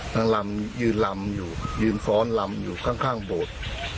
ลำยืนลำอยู่ยืนฟ้อนลำอยู่ข้างโบสถ์